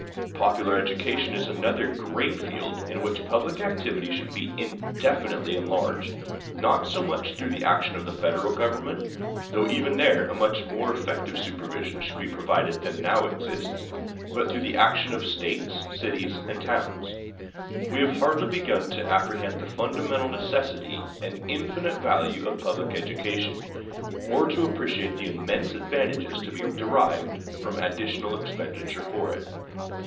Popular education is another great field in which public activity should be indefinitely enlarged, not so much through the action of the Federal government,—though even there a much more effective supervision should be provided than now exists,—but through the action of States, cities, and towns. We have hardly begun to apprehend the fundamental necessity and infinite value of public education, or to appreciate the immense advantages to be derived from additional expenditure for it.